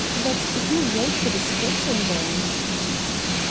But who wrote the description, then